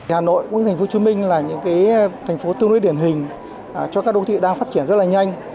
hà nội cũng như thành phố hồ chí minh là những thành phố tương đối điển hình cho các đô thị đang phát triển rất là nhanh